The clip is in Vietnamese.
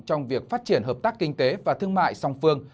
trong việc phát triển hợp tác kinh tế và thương mại song phương